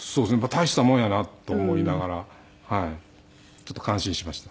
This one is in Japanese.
大したもんやなと思いながらちょっと感心しました。